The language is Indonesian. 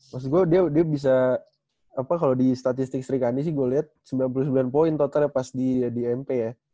maksud gue dia bisa apa kalau di statistik sri kandi sih gue liat sembilan puluh sembilan poin totalnya pas di mp ya